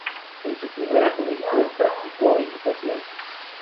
En su primera juventud practicó equitación.